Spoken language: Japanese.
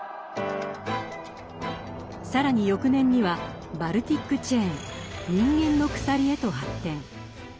更に翌年にはバルティック・チェーン「人間の鎖」へと発展。